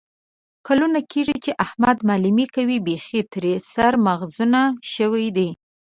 کلونه کېږي چې احمد معلیمي کوي. بیخي ترې سر مغزن شوی دی.